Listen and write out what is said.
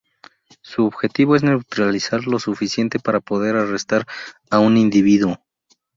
Su objetivo es neutralizar lo suficiente para poder arrestar a un individuo.